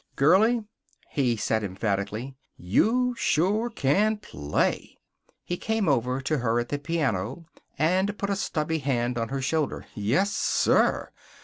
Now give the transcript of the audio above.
"Girlie," he said, emphatically, "you sure can play!" He came over to her at the piano and put a stubby hand on her shoulder. "Yessir!